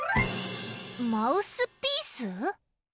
マウスピース？